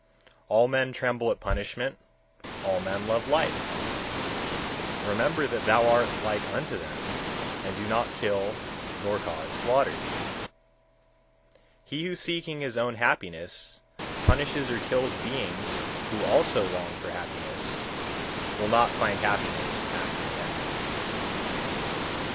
130. All men tremble at punishment, all men love life; remember that thou art like unto them, and do not kill, nor cause slaughter. 131. He who seeking his own happiness punishes or kills beings who also long for happiness, will not find happiness after death.